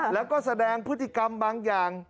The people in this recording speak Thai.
แล้วก็แสดงพฤติกรรมบางอย่าง